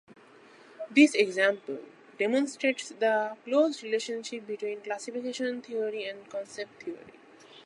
This example demonstrates the close relationship between classification theory and concept theory.